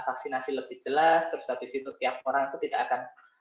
vaksinasi lebih jelas terlebih dan seekor tiap orang itu tidak akan lalu dipengaruhi dengan vaksinasi